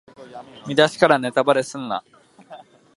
見だしからネタバレすんな